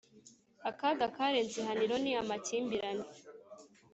akaga karenze ihaniro ni amakimbirane